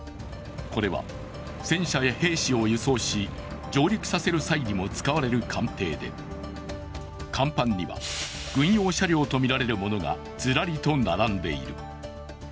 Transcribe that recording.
これは戦車や兵士を輸送し、上陸させる際にも使われる艦艇で、甲板には軍用車両とみられるものがずらりと並んでいる。